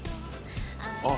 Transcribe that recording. あっ